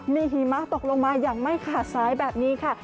มีหิมะตกลงมาอย่างไม่ขาดสายแบบนี้ค่ะ